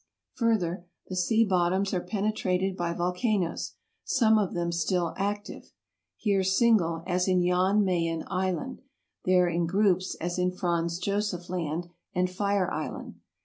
Further, the sea bottoms are penetrated by volcanoes, some of them still active — here single, as in Jan Mayen Island, there in groups, as in Franz Joseph Land and Fire Island.